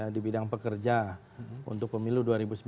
di bidang pekerja untuk pemilu dua ribu sembilan belas